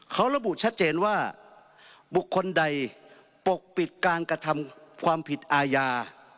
เขาระบุชัดเจนว่าบุคคลใดปกปิดการกระทำความผิดอาญา